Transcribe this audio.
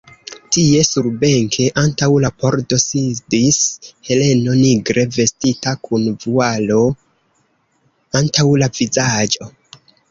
Tie, surbenke, antaŭ la pordo, sidis Heleno, nigre vestita, kun vualo antaŭ la vizaĝo.